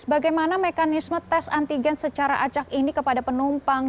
bagaimana mekanisme tes antigen secara acak ini kepada penumpang